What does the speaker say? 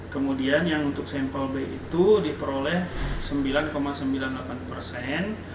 kemudian yang untuk sampel b itu diperoleh sembilan sembilan puluh delapan persen